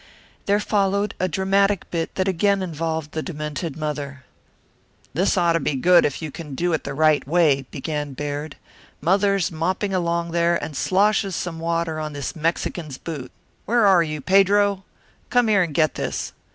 There followed a dramatic bit that again involved the demented mother. "This ought to be good if you can do it the right way," began Baird. "Mother's mopping along there and slashes some water on this Mexican's boot where are you, Pedro? Come here and get this.